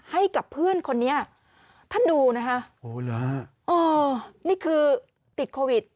ให้กับเพื่อนคนนี้ท่านดูนะคะอ๋อนี่คือติดโควิด